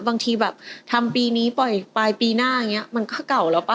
บางทีแบบทำปีนี้ปล่อยปลายปีหน้าอย่างนี้มันก็เก่าแล้วป่